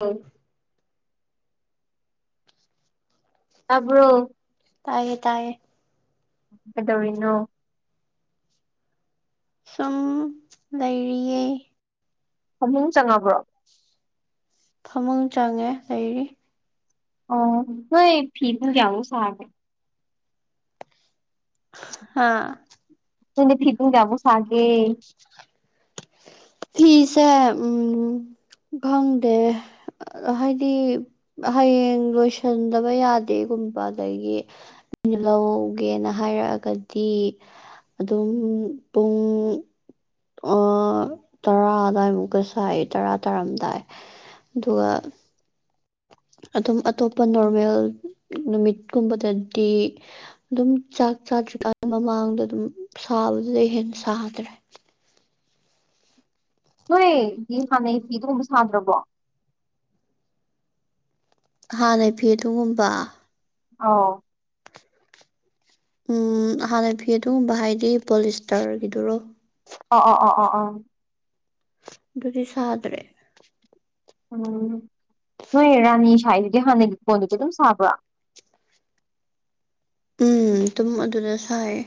ꯑ ꯇꯥꯕ꯭ꯔꯣ ꯇꯥꯏꯌꯦ ꯇꯥꯏꯌꯦ ꯀꯩꯗꯧꯔꯤꯅꯣ ꯁꯨꯝ ꯂꯩꯔꯤꯌꯦ ꯐꯃꯨꯡ ꯆꯪꯉꯕ꯭ꯔꯣ ꯐꯃꯨꯡ ꯆꯪꯉꯦ ꯂꯩꯔꯤ ꯑꯣ ꯅꯣꯏ ꯐꯤ ꯄꯨꯡ ꯀꯌꯥꯐꯥꯎ ꯁꯥꯒꯦ ꯍꯥ [unintelligible] ꯐꯤ ꯄꯨꯡ ꯀꯌꯥꯐꯥꯎ ꯁꯥꯒꯦ ꯐꯤꯁꯦ ꯎꯝ ꯈꯪꯗꯦ ꯍꯥꯏꯗꯤ ꯍꯌꯦꯡ ꯂꯣꯏꯁꯤꯟꯗꯕ ꯌꯥꯗꯦꯒꯨꯝꯕ ꯑꯗꯒꯤ ꯂꯧꯒꯦꯅ ꯍꯥꯏꯔꯛꯑꯒꯗꯤ ꯑꯗꯨꯝ ꯄꯨꯡ ꯑ ꯇꯔꯥ ꯑꯗꯨꯗꯥꯋꯥꯏꯃꯨꯛꯀ ꯁꯥꯏ ꯇꯔꯥ ꯇꯥꯔꯝꯗꯥꯏ ꯑꯗꯨꯒ ꯑꯗꯨꯝ ꯑꯇꯣꯞꯄ ꯅꯣꯔꯃꯦꯜ ꯅꯨꯃꯤꯠꯀꯨꯝꯕꯗꯗꯤ ꯑꯗꯨꯝ ꯆꯥꯛ ꯆꯥꯗ꯭ꯔꯤꯀꯥꯟ ꯃꯃꯥꯡꯗ ꯑꯗꯨꯝ ꯁꯥꯕꯗꯨꯗꯩꯩ ꯍꯦꯟ ꯁꯥꯗ꯭ꯔꯦ ꯅꯣꯏ ꯐꯤ ꯍꯥꯟꯅꯩ ꯐꯤꯗꯨꯒꯨꯝꯕ ꯁꯥꯗ꯭ꯔꯕꯣ ꯍꯥꯟꯅ ꯐꯤ ꯑꯗꯨꯒꯨꯝꯕ ꯑꯣ ꯎꯝ ꯍꯥꯟꯅ ꯐꯤ ꯑꯗꯨꯒꯨꯝꯕ ꯍꯥꯏꯗꯤ ꯄꯣꯂꯤꯁꯇꯔꯒꯤꯗꯨꯔꯣ ꯑꯣ ꯑꯣ ꯑꯣ ꯑꯣ ꯑꯣ ꯑꯗꯨꯗꯤ ꯁꯥꯗ꯭ꯔꯦ ꯎꯝ ꯅꯣꯏ ꯔꯥꯅꯤ ꯁꯥꯏꯗꯨꯗꯤ ꯍꯥꯟꯅꯒꯤ ꯀꫭꯟꯗꯨꯗꯤ ꯑꯗꯨꯝ ꯁꯥꯕ꯭ꯔꫭ ꯎꯝ ꯑꯗꯨꯝ ꯑꯗꯨꯗ ꯁꯥꯏꯌꯦ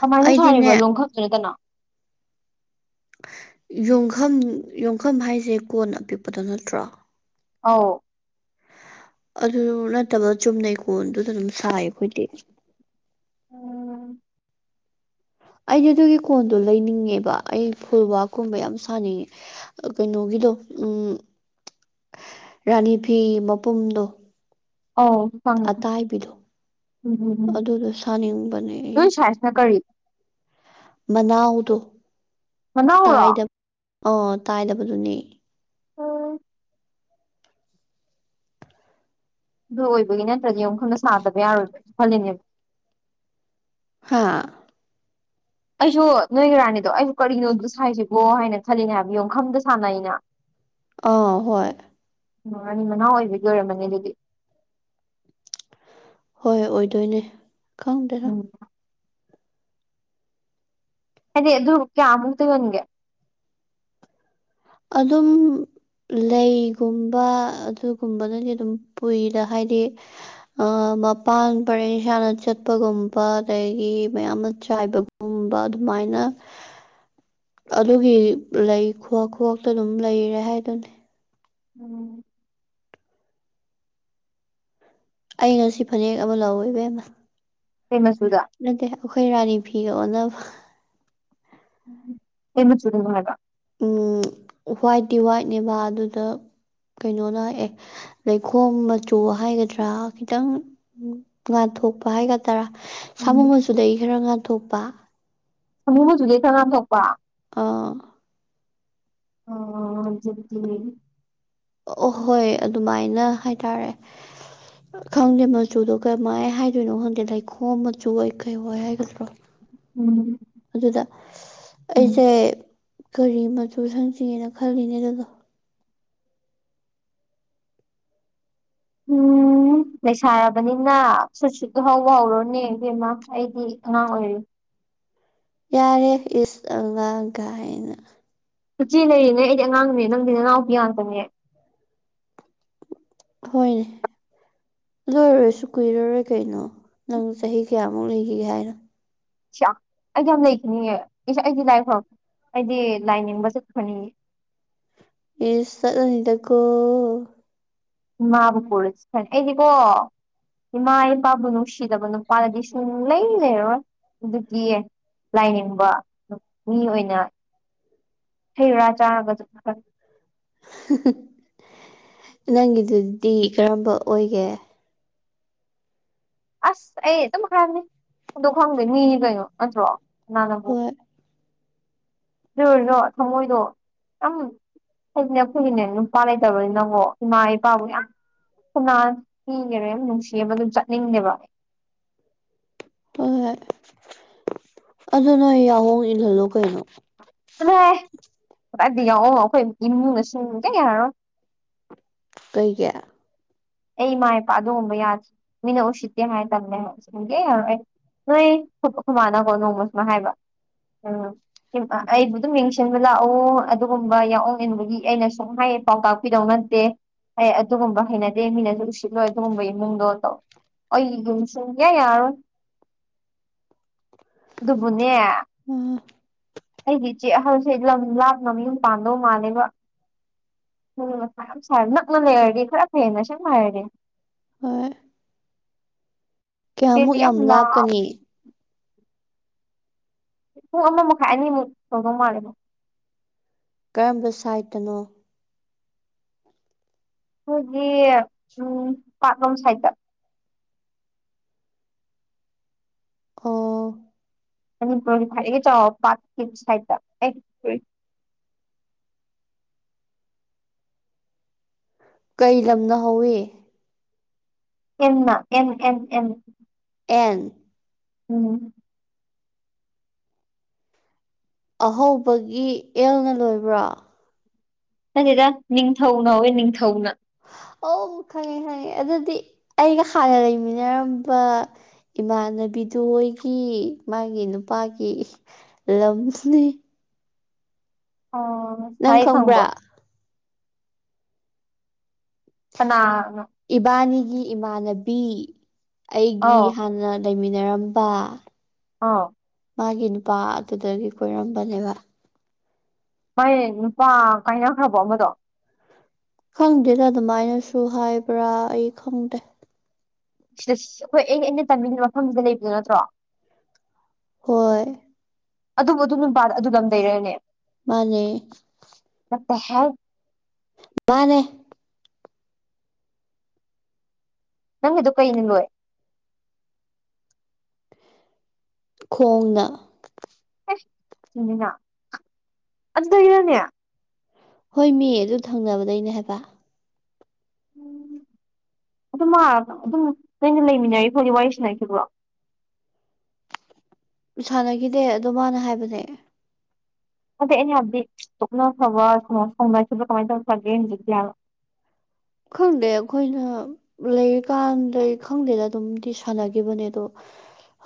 ꯀꯃꯥꯏꯅ ꯑꯩꯗꯤꯅꯦ ꯁꯥꯔꯤꯕ ꯂꯣꯡꯈꯛꯇꯨ ꯅꯠꯇꯅ ꯌꯣꯡꯐꯝꯝ ꯌꯣꯡꯐꯝꯝ ꯍꯥꯏꯁꯦ ꯀꯣꯟ ꯑꯄꯤꯛꯄꯗꯣ ꯅꯠꯇ꯭ꯔꯣ ꯑꯧ ꯑꯗꯨ ꯅꯠꯇꯕ ꯆꯨꯝꯅꯩ ꯀꯣꯟꯗꯨꯗ ꯑꯗꯨꯝ ꯁꯥꯏꯌꯦ ꯑꯩꯈꯣꯏꯗꯤ ꯎꯝ ꯑꯩꯗꯤ ꯑꯗꯨꯒꯤ ꯀꯣꯟꯗꯣ ꯂꯩꯅꯤꯡꯉꯦꯕ ꯑꯩ ꯐꯨꯜꯋꯥꯛꯀꯨꯝꯕ ꯌꯥꯝ ꯁꯥꯅꯤꯡꯉꯦ ꯀꯩꯅꯣꯒꯤꯗꯣ ꯎꯝ ꯔꯥꯅꯤ ꯐꯤ ꯃꯄꯨꯝꯗꯣ ꯑꯣ ꯐꯪ ꯑꯇꯥꯏꯕꯤꯗꫭ ꯎꯝ ꯑꯩ ꯅꫭꯏ ꯁꯥꯏꯁꯤꯅ ꯀꯔꯤ ꯃꯅꯥꯎꯗꯣ ꯃꯅꯥꯎꯔꯣ ꯇꯥꯏꯗꯕ ꯑꯥ ꯇꯥꯏꯗꯕꯗꯨꯅꯦ ꯎꯝ ꯑꯗꯨ ꯑꯣꯏꯕꯒꯤ ꯅꯠꯇ꯭ꯔꯗꯤ ꯑꯃꯨꯛ ꯈꯪꯅ ꯁꯥꯗꯕ ꯌꯥꯔꯣꯏꯕ꯭ꯔꯁꯨ ꯈꯜꯂꯤꯅꯦꯕ ꯍꯥꯥ ꯑꯩꯁꯨ ꯅꯣꯏꯒꯤ ꯔꯥꯅꯤꯗꯣ ꯑꯩꯁꯨ ꯀꯔꯤꯅꯣ ꯑꯗꯨꯗꯥ ꯁꯥꯏꯁꯤꯕꯣ ꯍꯥꯏꯅ ꯈꯜꯂꯤꯅꯦ ꯍꯥꯏꯕ ꯌꯣꯟꯈꯝꯗ ꯁꯥꯟꯅꯩꯩꯅ [inaudible] ꯑꯥ ꯍꯣꯏ ꯎꯝ ꯔꯥꯅꯤ ꯃꯅꯥꯎ ꯑꯣꯏꯕꯒꯤ ꯑꯣꯏꯔꯝꯃꯅꯤ ꯑꯗꯨꯗꯤ ꯍꯣꯏ ꯑꯣꯏꯗꯣꯏꯅꯦ ꯈꯪꯗꯦꯗꯥ ꯎꯝ ꯍꯥꯏꯗꯤ ꯑꯗꯨ ꯀꯦꯌꯥꯃꯨꯛꯇ ꯌꫭꯟꯒꯦ ꯑꯗꯨꯝ ꯂꯩꯒꯨꯝꯕ ꯑꯗꯨꯒꯨꯝꯕꯅꯗꯤ ꯑꯗꯨꯝ ꯄꯨꯏꯗ ꯍꯥꯏꯗꯤ ꯑꯥ ꯃꯄꯥꯟ ꯄꯔꯦꯡ ꯁꯥꯥꯅ ꯆꯠꯄꯒꯨꯝꯕ ꯑꯗꯒꯤ ꯃꯌꯥꯝ ꯑꯃ ꯆꯥꯏꯕ ꯒꯨꯝꯕ ꯑꯗꯨꯃꯥꯏꯅ [unintelligible] ꯑꯗꯨꯒꯤ ꯂꯩ ꯈꯨꯍꯛ ꯈꯨꯍꯛꯇ ꯑꯗꯨꯝ ꯂꯩꯔꯦ ꯍꯥꯏꯗꯨꯅꯤ ꯎꯝ ꯑꯩ ꯉꯁꯤ ꯐꯅꯦꯛ ꯑꯃ ꯂꯧꯋꯦꯕꯦꯝꯃ ꯀꯩ ꯃꯆꯨꯗ ꯅꯠꯇꯦ ꯑꯩꯈꯣꯏ ꯔꯥꯅꯤ ꯐꯤꯒ ꯑꯣꯟꯅꯕ ꯀꯩ ꯃꯆꯨꯗꯅꫭ ꯍꯥꯏꯕ ꯎꯝ ꯍ꯭ꯋꯥꯏꯠꯇꯤ ꯋꯥꯏꯠꯅꯦꯕ ꯑꯗꯨꯗ ꯀꯩꯅꯣꯅ ꯍꯛꯑꯦ ꯂꯩꯈꯣꯝ ꯃꯆꯨ ꯍꯥꯏꯒꯗ꯭ꯔꯥ ꯈꯤꯇꯪ ꯉꯥꯊꯣꯛꯄ ꯍꯥꯏꯒꯗꯔꯥ ꯁꯥꯃꯨ ꯃꯆꯨꯗꯒꯤ ꯈꯔ ꯉꯥꯊꯣꯛꯄ ꯁꯥꯃꯨ ꯃꯆꯨꯗꯩ ꯈꯔꯥ ꯊꯣꯛꯄ ꯑꯥ ꯑꫭ ꯑꯗꯨꯗꯤ ꯑꯍꯣꯏ ꯑꯗꯨꯃꯥꯏꯅ ꯍꯥꯏꯇꯥꯔꯦ ꯈꯪꯗꯦ ꯃꯆꯨꯗꯣ ꯀꯃꯥꯏ ꯍꯥꯏꯗꯣꯏꯅꯣ ꯈꯪꯗꯦ ꯂꯩꯈꯣꯝ ꯃꯆꯨ ꯑꯣꯏ ꯀꯩ ꯑꯣꯏ ꯍꯥꯏꯒꯗ꯭ꯔꯣ ꯑꯗꯨꯗ ꯑꯩꯁꯦ ꯀꯔꯤ ꯃꯆꯨ ꯁꯪꯁꯤꯒꯦꯅ ꯈꯜꯂꯤꯅꯦ ꯑꯗꯨꯗꯣ ꯎꯝ ꯂꯩꯁꯥꯔꯕꯅꯤꯅ ꯁꯨꯠ ꯁꯨꯠꯇꯨ ꯍꯧꯕ ꯍꯧꯔꯣꯅꯦ ꯏꯕꯦꯝꯃ ꯑꯩꯗꯤ ꯑꯉꯥꯡ ꯑꯣꯏꯔꯤ ꯌꯥꯔꯦ ꯏꯁ ꯑꯉꯥꯡ ꯒꯥꯏꯅ ꯎꯆꯦ ꯂꯩꯔꯤꯅꯦ ꯑꯩꯗꯤ ꯑꯉꯥꯡꯅꯦ ꯅꯪꯗꯤ ꯅꯅꯥꯎꯄꯤ ꯉꯥꯛꯇꯅꯦ ꯍꯣꯏꯅꯦ ꯑꯗꯨ ꯑꯣꯏꯔꯁꯨ ꯀꯨꯏꯔꯔꯣꯏ ꯀꯩꯅꯣ ꯅꯪ ꯆꯍꯤ ꯀꯌꯥꯃꯨꯛ ꯂꯩꯈꯤꯒꯦ ꯍꯥꯏꯅꯣ ꯑꯩꯗꯤ ꯌꯥꯝ ꯂꯩꯈꯤꯅꯤꯡꯉꯦ ꯑꯩꯗꯤ ꯂꯥꯏ ꯐꯔꯛ ꯑꯩꯗꯤ ꯂꯥꯏ ꯅꯤꯡꯕ ꯆꯠꯍꯅꯤꯡꯉꯦ ꯏꯁ ꯆꯠꯂꯅꯤꯗꯀꯣ ꯏꯃꯥꯕꯨ ꯄꯨꯔꯁꯤ ꯌꯥꯏ ꯑꯩꯗꯤꯀꯣ ꯏꯃꯥ ꯏꯄꯥꯕꯨ ꯅꯨꯡꯁꯤꯗꯕ ꯅꯨꯄꯥꯗꯗꯤ ꯁꯨꯡ ꯂꯩ ꯂꯩꯔꯣꯏ ꯑꯗꯨꯒꯤꯌꯦ ꯂꯥꯏꯅꯤꯡꯕ ꯃꯤ ꯑꯣꯏꯅ ꯍꯩꯔꯥ ꯆꯥꯔꯒꯁꯨ ꯅꯪꯒꯤꯗꯨꯗꯤ ꯀꯔꯝꯕ ꯑꯣꯏꯒꯦ ꯑꯁ ꯑꯩ ꯑꯗꯨꯝ ꯍꯥꯏꯕꯅꯤ ꯑꯗꯣ ꯈꯪꯗꯦ ꯃꯤ ꯀꯩꯅꯣ ꯅꯠꯇ꯭ꯔꯣ ꯀꯅꯥꯅꯕꯨ ꯍꯣꯏ [unintelligible] ꯊꯃꯣꯏꯗꯣ ꯌꯝ ꯍꯥꯏꯗꯤꯅꯦ ꯑꯩꯈꯣꯏꯒꯤꯅꯦ ꯅꯨꯄꯥ ꯂꯩꯇꯕꯅꯤꯅꯀꯣ ꯏꯃꯥ ꯏꯄꯥꯕꯨ ꯌꯥꯝ ꯀꯅꯥ ꯄꯤꯒꯔꯦ ꯅꯨꯡꯁꯤꯕꯗ ꯆꯠꯅꯤꯡꯗꯦꯕ ꯍꯣꯏ ꯍꯣꯏ ꯑꯗꯨ ꯅꯣꯏ ꯌꯥꯍꯣꯡ ꯏꯍꯜꯂꯨ ꯀꯩꯅꯣ ꯆꯠꯂꯣꯍꯦ ꯀꯗꯥꯏꯗꯤ ꯌꯥꯡꯑꯣ ꯑꯩꯈꯣꯏ ꯏꯃꯨꯡꯅꯁꯨ ꯀꯩꯝꯇ ꯌꯥꯔꯥꯔꯣꯏ ꯀꯩꯒꯤ ꯑꯩ ꯏꯃꯥ ꯏꯄꯥ ꯑꯗꯨꯒꯨꯝꯕ ꯌꯥꯗ꯭ꯔꯦ ꯃꯤꯅ ꯎꯁꯤꯠꯇꯦ ꯍꯥꯏ ꯇꯜꯂꯦ ꯍꯥꯏ ꯁꯨꯡꯌꯥ ꯌꯥꯔꯔꯣꯏ ꯅꯣꯏ ꯈꯨ ꯏꯈꯣꯏꯃꯥꯅ ꯅꯣꯡꯃ ꯁꯨꯃ ꯍꯥꯏꯕ ꯎꯝ ꯑꯩꯕꯨ ꯑꯗꯨꯝ ꯌꯦꯡꯁꯤꯟꯕ ꯂꯥꯛꯎ ꯑꯗꯨꯒꯨꯝꯕ ꯌꯥꯎꯑꯣ ꯏꯟꯕꯒꯤ ꯑꯩꯅ ꯁꯨꯝ ꯍꯥꯏꯌꯦ ꯄꯥꯎꯇꯥꯛꯄꯤꯗꯧ ꯅꯠꯇꯦ ꯑꯩ ꯑꯗꯨꯒꯨꯝꯕ ꯍꯩꯅ ꯍꯩꯅꯗꯦ ꯃꯤꯅꯁꯨ ꯎꯁꯤꯠꯂꯣꯏ ꯑꯗꯨꯒꯨꯝꯕꯒꯤ ꯏꯃꯨꯡꯗꯣ ꯇꯧ ꯑꯩ ꯌꯨꯝ ꯁꯨꯡ ꯀꯌꯥ ꯌꯥꯔꯣꯏ ꯑꯗꯨꯕꯨꯅꯦ ꯎꯝ ꯑꯩꯒꯤ ꯏꯆꯦ ꯑꯍꯜꯁꯦ ꯂꯝ ꯂꯥꯞꯅ ꯃꯨꯝ ꯄꯥꯟꯗꯧ ꯃꯥꯜꯂꯦꯕ ꯎꯝ ꯃꯊꯥ ꯌꯝ ꯁꯥꯏꯌꯦꯕ ꯅꯛꯅ ꯂꯩꯔꯗꯤ ꯈꯔ ꯐꯩꯌꯦꯅ ꯒꯁꯦꯡꯕ ꯍꯥꯏꯔꯗꯤ ꯍꯣꯏ ꯀꯌꯥꯃꯨꯛ ꯏꯆꯦꯗꯤ ꯌꯥꯝ ꯂꯥꯞ ꯂꯥꯞꯀꯅꯤ ꯄꯨꯡ ꯑꯃ ꯃꯈꯥꯏ ꯑꯅꯤꯃꯨꯛ ꯇꯧꯗꯧ ꯃꯥꯜꯂꯦꯕꯨ ꯀꯔꯝꯕ ꯁꯥꯏꯠꯇꯅꯣ ꯑꯩꯈꯣꯏꯒꯤ ꯎꯝ ꯄꯥꯛꯂꯣꯝ ꯁꯥꯏꯠꯇ ꯑꯣ ꯃꯅꯤꯄꯨꯔꯒꯤ ꯈ꯭ꯋꯥꯏꯗꯒꯤ ꯆꯥꯎꯕ ꯄꯥꯛꯀꯤ ꯁꯥꯏꯠꯇ ꯀꯩ ꯂꯝꯅ ꯍꯧꯏ ꯑꯦꯟꯅ ꯑꯦꯟ ꯑꯦꯟ ꯑꯦꯟ ꯑꯦꯟ ꯎꯝ ꯑꯍꯧꯕꯒꯤ ꯑꯦꯜꯅ ꯂꯣꯏꯕ꯭ꯔꯥ ꯈꯪꯗꯦꯗ ꯅꯤꯡꯊꯧ ꯍꯧꯋꯦ ꯅꯤꯡꯊꯧꯅ ꯑꯣ ꯈꯪꯉꯤ ꯈꯪꯉꯤ ꯑꯗꯨꯗꯤ ꯑꯩꯒ ꯍꯥꯟꯅ ꯂꯩꯃꯤꯟꯅꯔꯝꯕ ꯏꯃꯥꯟꯅꯕꯤꯗꯨꯒꯤ ꯃꯥꯒꯤ ꯅꯨꯄꯥꯒꯤ ꯂꯝꯗꯨꯅꯤ ꯑꯥ ꯅꯪ ꯈꯪꯕ꯭ꯔꯥ ꯀꯅꯥꯅꯦ ꯏꯕꯥꯅꯤꯒꯤ ꯏꯃꯥꯟꯅꯕꯤ ꯑꯩꯒꯤ ꯑꯧ ꯍꯥꯟꯅ ꯂꯩꯃꯤꯟꯅꯔꯝꯕ ꯑꯥ ꯃꯥꯒꯤ ꯅꯨꯄꯥ ꯑꯗꯨꯗꯒꯤ ꯀꯣꯏꯔꯝꯕꯅꯦꯕ ꯃꯥꯏ ꯅꯨꯄꯥ ꯀꯥꯏꯅꯈ꯭ꯔꯕꯣ ꯑꯃꯗꯣ ꯈꯪꯗꯦꯗ ꯑꯗꯨꯃꯥꯏꯅꯁꯨ ꯍꯥꯏꯕ꯭ꯔꯥ ꯑꯩ ꯈꯪꯗꯦ ꯁꯤꯗ ꯑꯩꯈꯣꯏ ꯑꯩꯅ ꯑꯩꯅ ꯇꯝꯅꯤꯡꯉꯕ ꯃꯐꯝꯁꯤꯗ ꯂꯩꯕꯗꯣ ꯅꯠꯇ꯭ꯔꯣ ꯍꯣꯏ ꯑꯗꯨꯕꯨ ꯑꯗꯨꯝ ꯅꯨꯄꯥ ꯑꯗꯨ ꯂꯝ ꯂꯩꯔꯅꯦ ꯃꯥꯅꯦ ꯑꯠꯇ [unintelligible] ꯃꯥꯅꯦ ꯅꯪ ꯗꯨ ꯀꯩꯅ ꯂꯣꯏ ꯈꯣꯡꯅ ꯑꯦ ꯆꯨꯝꯃꯤꯅ ꯑꯗꯨꯗꯔꯣꯅꯦ ꯍꯣꯏ ꯃꯤ ꯑꯗꯨ ꯊꯪꯅꯕꯗꯅꯦ ꯍꯥꯏꯕ ꯎ ꯑꯗꯨ ꯃꯥ ꯑꯗꯨꯝ ꯅꯩꯅ ꯂꯩꯃꯤꯟꯅꯔꯤ ꯐꯣꯗꯤ ꯋꯥꯔꯤ ꯁꯟꯅꯈꯤꯕ꯭ꯔꯣ ꯁꯥꯟꯅꯈꯤꯗꯦ ꯑꯗꯣ ꯃꯥꯅ ꯍꯥꯏꯕꯅꯦ ꯑꯗꯩ ꯑꯩꯅ ꯍꯥꯏꯕꯗꯤ ꯇꯣꯛꯅꯈꯔꯥ ꯁꯧꯅꯈꯤꯕꯔ ꯀꯃꯥꯏꯅ ꯇꯧ ꯐꯒꯦ ꯍꯧꯖꯤꯛꯤ ꯍꯥꯏꯕ ꯈꯪꯗꯦ ꯑꯩꯈꯣꯏꯅ ꯂꯩꯔꯤꯀꯥꯟꯗ ꯈꯪꯗꯦꯗ ꯑꯗꯨꯝꯗꯤ ꯁꯥꯟꯅꯈꯤꯕꯅꯦ ꯑꯗꯣ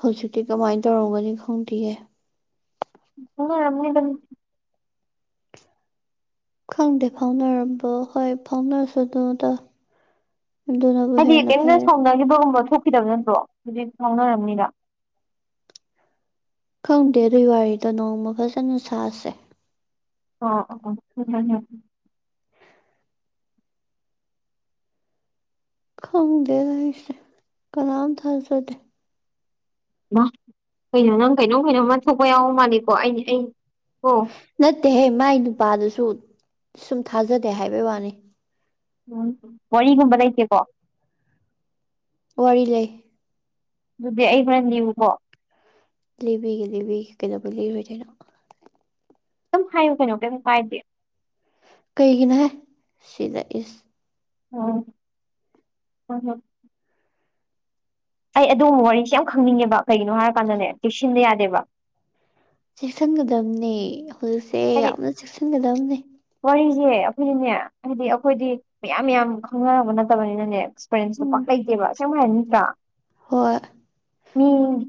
ꯍꯧꯖꯤꯛꯇꯤ ꯀꯃꯥꯏꯅ ꯇꯧꯔꯝꯒꯅꯤ ꯈꯪꯗꯌꯦ ꯈꯪꯅꯔꯝꯅꯤꯗ ꯈꯪꯗꯦ ꯐꯥꯎꯅꯔꯝꯕ ꯍꯣꯏ ꯐꯥꯎꯅꯔꯁꯨ ꯑꯗꯨꯗ ꯍꯥꯏꯗꯤ ꯀꯔꯤꯝꯇ ꯁꯥꯎꯅꯈꯤꯕꯒꯨꯝꯕ ꯊꯣꯛꯈꯤꯗꯕ ꯅꯠꯇ꯭ꯔꯣ ꯍꯧꯖꯤꯛ ꯐꯎꯅꯔꯔꯕꯝꯅꯤꯗ ꯈꯪꯗꯦ ꯑꯗꯨꯏ ꯋꯥꯔꯤꯗꯣ ꯅꯣꯡꯃ ꯐꯖꯅ ꯁꯥꯁꯦ ꯑꯣ ꯑꯣ ꯈꯪꯗꯦ ꯑꯩꯁꯦ ꯀꯅꯥꯝ ꯊꯥꯖꯗꯦ ꯏꯃꯥ ꯀꯩꯅꯣ ꯅꯪ ꯀꯩꯅꯣ ꯀꯩꯅꯣꯝꯃ ꯊꯣꯛꯄ ꯌꯥꯎꯕ ꯃꯥꯜꯂꯤꯀꯣ ꯑꯩ ꯑꯩ ꯀꯣ ꯅꯠꯇꯦꯍꯦ ꯃꯥꯏ ꯅꯨꯄꯥꯗꯨꯁꯨ ꯁꯨꯝ ꯊꯥꯖꯗꯦ ꯍꯥꯏꯕꯩ ꯋꯥꯅꯤ ꯎꯝ ꯋꯥꯔꯤꯒꯨꯝꯕ ꯂꯩꯇꯦꯀꯣ ꯋꯥꯔꯤ ꯂꯩ ꯑꯗꯨꯗꯤ ꯑꯩ ꯍꯦꯔꯦꯟ ꯂꯤꯌꯨꯀꯣ ꯂꯤꯕꯤꯒꯦ ꯂꯤꯕꯤꯒꯦ ꯀꯩꯗꯧꯕ ꯂꯤꯔꯣꯏꯗꯣꯏꯅꯣ ꯑꯗꯨꯝ ꯍꯥꯏꯌꯨ ꯀꯩꯅꯣ ꯀꯩꯝ ꯀꯥꯏꯗꯦ ꯀꯩꯒꯤꯅꯣ ꯍꯦꯏ ꯁꯤꯗ ꯏꯁ ꯑꯣ ꯍ ꯍ ꯑꯩ ꯑꯗꯣꯕ ꯋꯥꯔꯤꯁꯤꯦ ꯌꯥꯝ ꯈꯪꯅꯤꯡꯉꯦꯕ ꯀꯩꯒꯤꯅꯣ ꯍꯥꯏꯔꯀꯥꯟꯗꯅꯦ ꯆꯦꯛꯁꯤꯟꯗ ꯌꯥꯗꯦꯕ ꯆꯦꯛꯁꯤꯟꯒꯗꯝꯕꯅꯦ ꯍꯧꯖꯤꯛꯁꯦ ꯍꯥꯏꯗꯤ ꯌꯥꯝꯅ ꯆꯦꯛꯁꯤꯟꯒꯗꯝꯅꯦ ꯋꯥꯔꯤꯁꯦ ꯑꯩꯈꯣꯏꯗꯤꯅꯦ ꯍꯥꯏꯗꯤ ꯑꯩꯈꯣꯏꯗꯤ ꯃꯌꯥꯝ ꯌꯥꯝ ꯈꯪꯅꯔꯕ ꯅꯠꯇꯕꯅꯤꯅꯅꯦ ꯑꯦꯔꯦꯟꯁꯇꯣ ꯄꯥꯛ ꯎꯝ ꯂꯩꯇꯦꯕ ꯁ ꯍꯥꯏꯔ ꯅꯠꯇ꯭ꯔꯥ ꯍꯣꯏ ꯃꯤ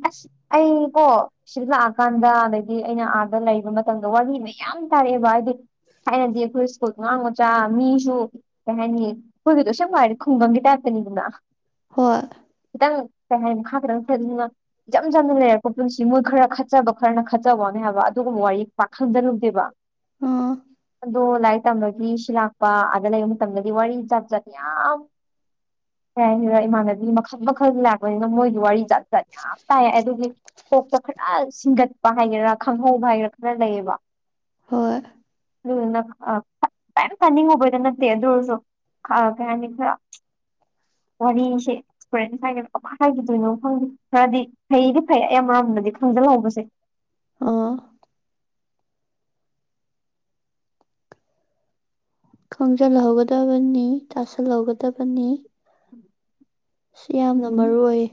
ꯑ꯭ꯁ ꯑꯩꯀꯣ ꯁꯤꯗ ꯂꯥꯛꯑꯀꯥꯟꯗ ꯑꯗꯒꯤ ꯑꯩꯅ ꯑꯥꯗ ꯂꯩꯕ ꯃꯇꯝꯗ ꯋꯥꯔꯤ ꯃ ꯌꯥꯝ ꯇꯥꯔꯛꯑꯦꯕ ꯍꯥꯏꯗꯤ ꯊꯥꯏꯅꯗꯤ ꯑꯩꯈꯣꯏ ꯁ꯭ꯀꯨꯜ ꯑꯉꯥꯡ ꯃꯆꯥ ꯃꯤꯁꯨ ꯀꯩ ꯍꯥꯏꯅꯤ ꯑꯩꯈꯣꯏꯒꯗꯣ ꯑꯁꯦꯡꯕ ꯍꯥꯏꯔꯗꯤ ꯈꯨꯡꯒꯪꯒꯤ ꯇꯥꯏꯞꯇꯅꯤꯗꯅ ꯍꯣꯏ ꯈꯤꯇꯪ ꯀꯩ ꯍꯥꯏꯥꯏ [unintelligible] ꯃꯈꯥ [unintelligible] ꯈꯤꯇꯪ [unintelligible] ꯁꯅ [unintelligible] ꯏꯆꯝ ꯆꯝꯅ ꯂꯩꯔꯛꯄ ꯄꯨꯟꯁꯤ ꯃꯣꯏ ꯈꯔ ꯈꯠꯆꯕ ꯈꯔꯅ ꯈꯠꯆꯕ ꯋꯥꯅꯤ ꯍꯥꯏꯕ ꯑꯗꯨꯒꯨꯝꯕ ꯋꯥꯔꯤ ꯄꯥꯛ ꯈꯟꯖꯟꯂꯨ ꯁꯤꯕ [unintelligible] ꯑꯣ ꯑꯗꯣ ꯂꯥꯏꯔꯤꯛ ꯇꯝꯝꯕꯒꯤ ꯁꯤ ꯂꯥꯛꯄ ꯑꯗ ꯂꯩꯔꯤ ꯃꯇꯝꯗꯗꯤ ꯋꯥꯔꯤ ꯖꯥꯠ ꯖꯥꯠ ꯌꯥꯝ ꯀꯩꯍꯥꯏꯅꯤ ꯏꯃꯥꯟꯅꯕꯤ ꯃꯈꯜ ꯃꯈꯜ ꯂꯥꯛꯄꯅꯤꯅ ꯃꯣꯏꯒꯤ ꯋꯥꯔꯤ ꯖꯥꯠ ꯖꯥꯠ ꯌꯥꯝ ꯇꯥꯏ ꯑꯗꯨꯒꯤ ꯀꯣꯛꯇ ꯈꯔ ꯁꯤꯡꯒꯠꯄ ꯍꯥꯏꯒꯦꯔꯥ ꯈꯪꯍꯧꯕ ꯍꯥꯏꯒꯦꯔ ꯈꯔ ꯂꯩꯌꯦꯕ ꯍꯣꯏ ꯑꯗꯨꯅꯝ [unintelligible] ꯐꯥꯅꯤꯡꯉꯨꯕꯩꯗ [unintelligible] ꯅꯠꯇꯦ ꯑꯗꯨ ꯑꯣꯏꯔꯁꯨ [unintelligible] ꯀꯩ ꯍꯥꯏꯅꯤ ꯈꯔ ꯋꯥꯔꯤꯁꯦ ꯑꯦꯛꯁꯄꯔꯦꯟꯁ ꯍꯥꯏꯒꯅ [unintelligible] ꯀꯃꯥꯏ ꯍꯥꯏꯒꯗꯣꯏꯅꯣ ꯈꯪꯗꯦ ꯈꯔꯗꯤ ꯐꯩꯗꯤ ꯐꯩ ꯑꯩ ꯑꯃꯔꯝꯗꯗꯤ [unintelligible] ꯈꯪꯖꯤꯜꯍꯧꯕꯁꯦ ꯑꯣ ꯈꯣꯡꯖꯜꯍꯧꯒꯗꯕꯅꯤ ꯇꯥꯁꯜꯍꯧꯒꯗꯕꯅꯤ [inaudible] ꯁꯤ ꯌꯥꯝꯅ ꯎꯝ ꯃꯔꯨ ꯑꯣꯏ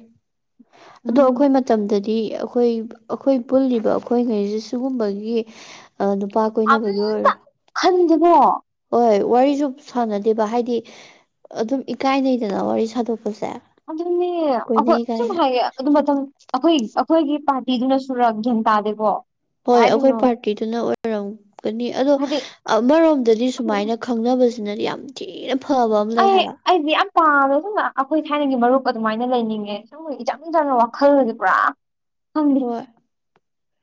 ꯑꯗꯣ ꯎꯝ ꯑꯩꯈꯣꯏ ꯃꯠ ꯃꯇꯝꯗꯗꯤ ꯑꯩꯈꯣꯏ ꯑꯩꯈꯣꯏ ꯄꯨꯜꯂꯤꯕ ꯑꯩꯈꯣꯏꯉꯩꯁꯦ ꯁꯤꯒꯨꯝꯕꯒꯤ ꯑ ꯅꯨꯄꯥ ꯀꯣꯏꯅꯕꯒꯤ ꯑꯣꯏꯔꯣ [unintelligible] ꯈꯟꯗꯦꯕꯣ ꯍꯣꯏ ꯋꯥꯔꯤꯁꯨ ꯁꯥꯟꯅꯗꯦꯕ ꯍꯥꯏꯗꯤ ꯑꯗꯨꯝ ꯏꯀꯥꯏꯅꯩꯗꯅ ꯋꯥꯔꯤ ꯁꯥꯥꯟꯗꯣꯛꯄꯁꯦ ꯑꯗꯨꯅꯤ ꯑꯈꯣꯏ ꯁꯨꯝ ꯍꯥꯏꯌꯦ ꯑꯗꯨ ꯃꯇꯝ ꯑꯩꯈꯣꯏ ꯑꯩꯈꯣꯏꯒꯤ ꯄꯥꯔꯇꯤꯗꯨꯅ ꯁꯨꯔ ꯒ꯭ꯌꯥꯟ ꯇꯥꯗꯦꯕꯣ ꯍꯣꯏ ꯑꯩꯈꯣꯏ ꯄꯥꯔꯇꯤꯗꯨꯅ ꯑꯣꯏꯔꯝꯒꯅꯤ ꯑꯗꯣ ꯍꯥꯏꯗꯤ ꯑꯃꯔꯣꯝꯗꯗꯤ ꯁꯨꯃꯥꯏꯅ ꯈꯪꯅꯕꯁꯤꯅꯗꯤ ꯌꯥꯝ ꯊꯤꯅ ꯐꯕ ꯑꯃ ꯂꯩ ꯑꯩ ꯍꯥꯏꯕ ꯑꯩꯗꯤ ꯌꯥꯝ ꯄꯥꯝꯃꯦ ꯁꯨꯝꯅ [unintelligible] ꯑꯩꯈꯣꯏ ꯊꯥꯏꯅꯒꯤ ꯃꯔꯨꯞ ꯑꯗꯨꯃꯥꯏꯅ ꯂꯩꯅꯤꯡꯉꯦ ꯁꯨꯝ ꯏꯆꯝ ꯆꯝꯅ ꯋꯥꯈꯜꯁꯦ ꯄꯨꯔꯥ ꯈꯪꯗꯦ ꯍꯣꯏ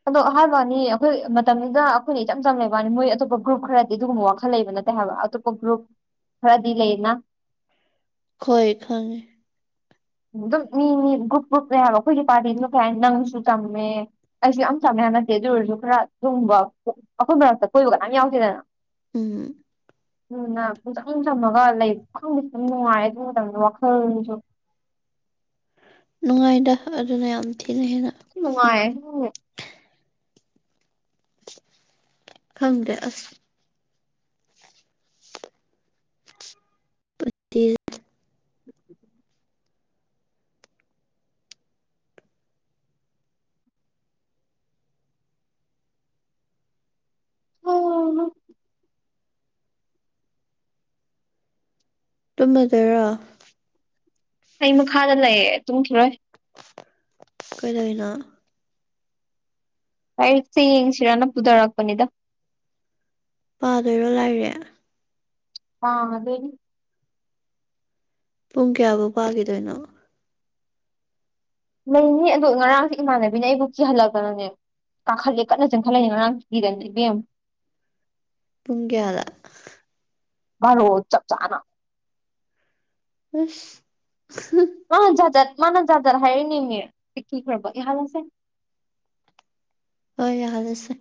ꯑꯗꯣ ꯍꯥꯏꯕꯩ ꯋꯥꯅꯤ ꯑꯩꯈꯣꯏ ꯃꯇꯝꯗꯨꯗ ꯑꯩꯈꯣꯏꯅ ꯏꯆꯝ ꯆꯝ ꯂꯩꯕꯅꯤ ꯃꯣꯏ ꯑꯇꯣꯞꯄ ꯒ꯭ꯔꯨꯞ ꯈꯔꯗꯤ ꯑꯗꯨꯒꯨꯝꯕ ꯋꯥꯈꯜ ꯂꯩꯕ ꯅꯠꯇꯦ ꯍꯥꯏꯕ [unintelligible] ꯈꯔꯗꯤ ꯂꯩꯅ ꯈꯣꯏ ꯈꯪꯉꯦ ꯑꯗꯨꯝ ꯃꯤ ꯃꯤ ꯒ꯭ꯔꯨꯞ ꯒ꯭ꯔꯨꯞꯅꯦ ꯍꯥꯏꯕ ꯑꯩꯈꯣꯏꯒꯤ ꯄꯥꯥꯔꯗꯤ ꯗꯨꯅ ꯀꯩꯍꯥꯏꯅꯤ ꯅꯪꯁꯨ ꯆꯝꯃꯦ ꯑꯩꯁꯨ ꯌꯥꯝ ꯆꯝꯃꯦ ꯍꯥꯏꯕ ꯅꯠꯇꯦ ꯑꯗꯨ ꯑꯣꯏꯔꯁꯨ ꯈꯔ ꯗꯨꯝꯕ ꯑꯩꯈꯣꯏ ꯃꯔꯛꯇ ꯀꯣꯏꯕ ꯀꯅꯥꯝ ꯌꯥꯎꯗꯦꯗꯅ ꯎꯝ ꯅ [unintelligible] ꯄꯨꯡꯆꯝ ꯆꯝꯃꯒ ꯂꯩ ꯈꯪꯗꯦ ꯑꯗꯨꯝ ꯅꯨꯡꯉꯥꯏ ꯑꯗꯨ ꯃꯇꯝꯗ ꯋꯥꯈꯜꯁꯨ ꯉꯥꯏꯗ ꯑꯗꯨꯅ ꯌꯥꯝ ꯊꯤꯅ ꯍꯦꯟꯅ ꯅꯨꯉꯥꯏ ꯈꯪꯗꯦ ꯑ꯭ꯁ ꯄꯤꯤꯁ [unintelligible] ꯇꯨꯝꯃ ꯗꯣꯏꯔꯣ ꯑꯩ ꯃꯈꯥꯗ ꯂꯩꯌꯦ ꯇꯨꯝꯈꯤꯔꯣꯏ ꯀꯩꯗꯩꯅꯣ [unintelligible] ꯄꯨꯗꯔꯛꯄꯅꯤꯗ ꯄꯥꯗꯣꯏꯔꯣ ꯂꯥꯏꯔꯤꯛ [unintelligible] ꯄꯨꯡ ꯀꯌꯥꯐꯧ ꯄꯥꯈꯤꯗꯣꯏꯅꯣ ꯂꯩꯅꯤ ꯑꯗꯣ ꯉꯔꯥꯡꯁꯦ ꯏꯃꯥꯟꯅꯕꯤꯅ ꯑꯩꯕꯨ ꯀꯤꯍꯜꯂꯛꯇꯅꯅꯦ ꯀꯥꯈꯠꯂꯦ ꯀꯟꯅ ꯆꯪꯈꯠꯂꯅꯤ ꯉꯔꯥꯡ ꯀꯤꯔꯅꯤ ꯏꯕꯦꯝ ꯄꯨꯡ ꯀꯌꯥꯗ ꯚꯥꯔꯣ ꯆꯞ ꯆꯥꯅ ꯑꯁ [unintelligible] ꯃꯥꯅ ꯖꯥꯖꯠ ꯃꯥꯅ ꯖꯥꯖꯠ ꯍꯥꯏꯔꯤꯅꯦꯅꯦ [unintelligible] ꯌꯥꯍꯥꯟꯂꯁꯦ ꯍꯣꯏ ꯌꯥꯍꯜꯂꯁꯦ